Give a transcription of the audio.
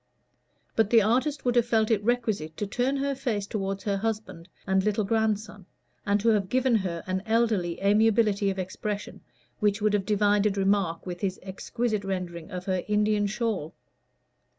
But the artist would have felt it requisite to turn her face toward her husband and little grandson, and to have given her an elderly amiability of expression which would have divided remark with his exquisite rendering of her Indian shawl.